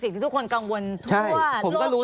สิ่งที่ทุกคนกังวลทั่วโลกอินเทอร์เน็ต